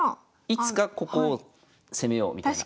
いつかここを攻めようみたいな。